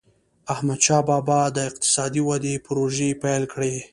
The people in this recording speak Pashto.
احمدشاه بابا به د اقتصادي ودي پروژي پیل کړي.